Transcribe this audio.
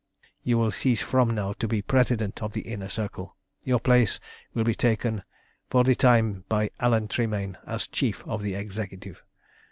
"You will cease from now to be President of the Inner Circle. Your place will be taken for the time by Alan Tremayne as Chief of the Executive.